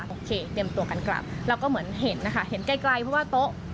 โอเคเตรียมตัวกันกลับแล้วก็เหมือนเห็นนะคะเห็นไกลเพราะว่าโต๊ะ